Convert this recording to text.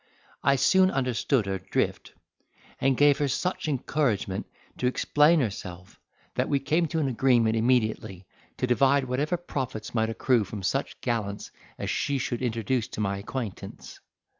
I soon understood her drift, and gave her such encouragement to explain herself, that we came to an agreement immediately to divide whatever profits might accrue from such gallants as she should introduce to my acquaintance.